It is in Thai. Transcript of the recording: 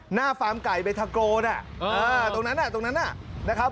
หน้าฟาร์มไก่เบทาโกน่ะอ่าตรงนั้นน่ะตรงนั้นน่ะนะครับ